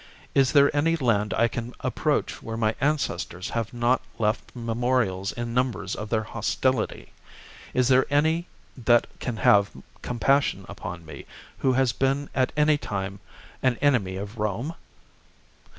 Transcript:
Is there any land I can approach where my ancestors have not left memorials in numbers of their hostility } Is there any that can have compassion upon me, who has been at any time an enemy of Rome